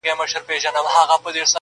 دلته ښخ د کلي ټول مړه انسانان دي,